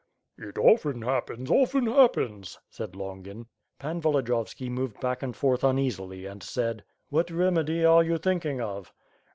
^It often happens, often happens," said Longin. Pan Volodiyovski moved back and forth uneasily and said: "What remedy are you thinking of?"